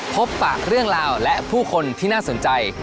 ปะเรื่องราวและผู้คนที่น่าสนใจ